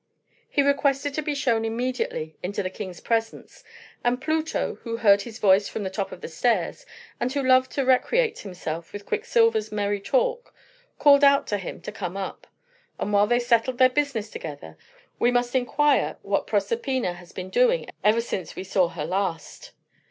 He requested to be shown immediately into the king's presence; and Pluto, who heard his voice from the top of the stairs, and who loved to recreate himself with Quicksilver's merry talk, called out to him to come up. And while they settle their business together, we must inquire what Proserpina has been doing ever since we saw her last.